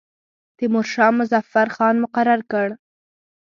تیمورشاه مظفر خان مقرر کړ.